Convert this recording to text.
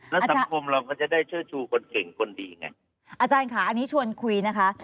แล้วสังคมเราก็จะได้เชิดชูคนเก่งคนดีไงอาจารย์ค่ะอันนี้ชวนคุยนะคะ